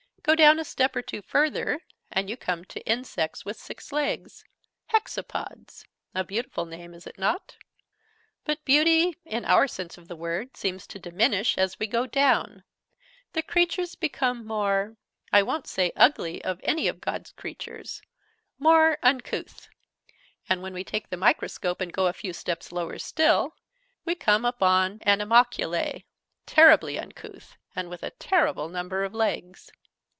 Go down a step or two further, and you come to insects with six legs hexapods a beautiful name, is it not? But beauty, in our sense of the word, seems to diminish as we go down: the creature becomes more I won't say 'ugly' of any of God's creatures more uncouth. And, when we take the microscope, and go a few steps lower still, we come upon animalculae, terribly uncouth, and with a terrible number of legs!"